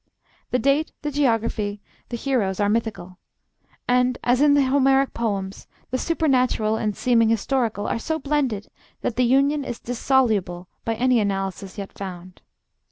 The date, the geography, the heroes, are mythical; and as in the Homeric poems, the supernatural and seeming historical are so blended that the union is indissoluble by any analysis yet found.